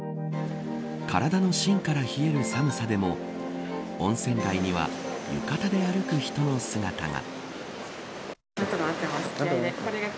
体の芯から冷える寒さでも温泉街には浴衣で歩く人の姿が。